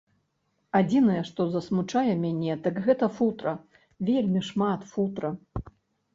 Адзінае, што засмучае мяне, дык гэта футра, вельмі шмат футра.